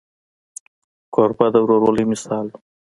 کوربه د ورورولۍ مثال وي.